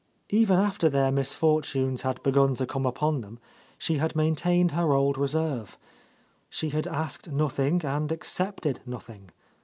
Even after their misfortunes had begun to come upon them, she had maintained her old reserve. She had asked nothing and accepted nothing.